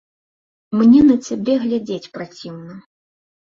Мне на цябе глядзець праціўна.